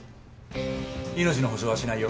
命の保証はしないよ。